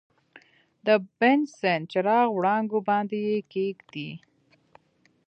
د بنسن چراغ وړانګو باندې یې کیږدئ.